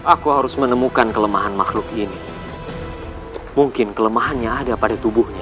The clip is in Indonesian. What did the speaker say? aku harus menemukan kelemahan makhluk ini mungkin kelemahannya ada pada tubuhnya